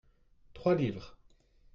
trois livres.